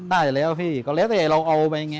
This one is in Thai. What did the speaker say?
ได้แล้วพี่ก็แล้วแต่เราเอาไปไง